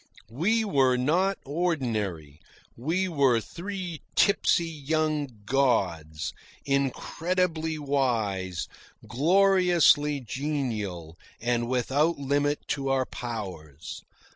We were not ordinary. We were three tipsy young gods, incredibly wise, gloriously genial, and without limit to our powers.